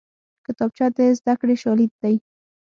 کتابچه د زدکړې شاليد دی